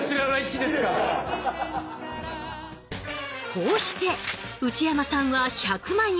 こうして内山さんは１００万円。